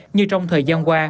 như trong thời gian qua